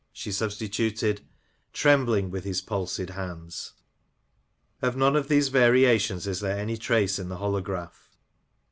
she substituted —*' Trembling with his palsied hands !" Of none of these variations is there any trace in the holograph.